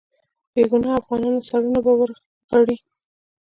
بې ګناه افغانانو سرونه به ورغړي.